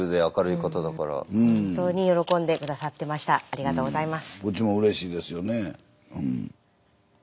こっちもうれしいですよねうん。